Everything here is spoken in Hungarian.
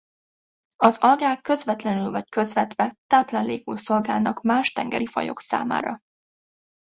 Az algák közvetlenül vagy közvetve táplálékul szolgálnak más tengeri fajok számára.